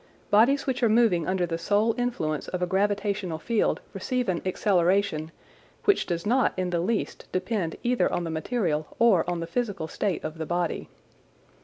Bodies which are moving under the sole influence of a gravitational field receive an acceleration, which does not in the least depend either on the material or on the physical state of the body.